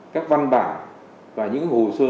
các văn bản và những hồ sơ